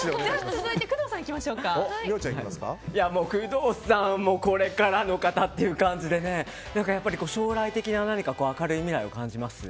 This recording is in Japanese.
工藤さんはこれからの方っていう感じで将来的な明るい未来を感じます。